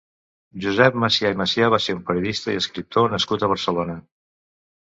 Josep Macià i Macià va ser un periodista i escriptor nascut a Barcelona.